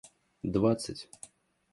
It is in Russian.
двадцать